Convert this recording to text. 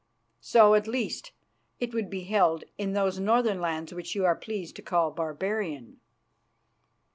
So, at least, it would be held in those northern lands which you are pleased to call barbarian."